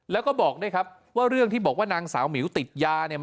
แล้วก็บอกด้วยครับว่าเรื่องที่บอกว่านางสาวหมิวติดยาเนี่ย